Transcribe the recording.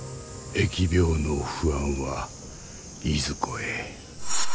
疫病の不安はいずこへ。